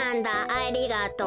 ありがとう」。